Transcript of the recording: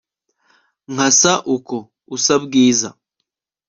nkasa uko usa bwiza